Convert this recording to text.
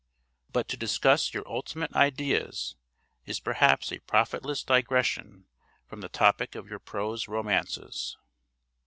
But to discuss your ultimate ideas is perhaps a profitless digression from the topic of your prose romances.